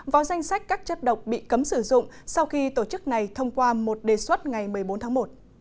vào danh sách các chất độc bị cấm sử dụng sau khi tổ chức này thông qua một đề xuất ngày một mươi bốn tháng một